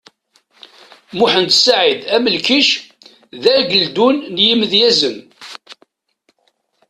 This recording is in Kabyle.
Muḥend Saɛid Amlikec, d ageldun n yimedyazen.